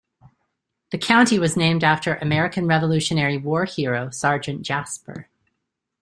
The county was named after American Revolutionary War hero, Sergeant Jasper.